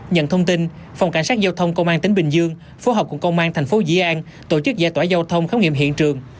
nhận thông tin phòng cảnh sát giao thông công an tỉnh bình dương phối hợp cùng công an thành phố dĩ an tổ chức giải tỏa giao thông khám nghiệm hiện trường